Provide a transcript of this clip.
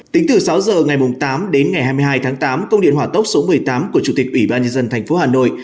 tính từ sáu giờ ngày tám đến ngày hai mươi hai tháng tám công điện hỏa tốc số một mươi tám của chủ tịch ủy ban nhân dân tp hà nội